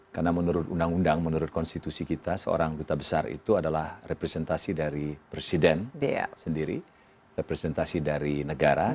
karena menurut undang undang menurut konstitusi kita seorang duta besar itu adalah representasi dari presiden sendiri representasi dari negara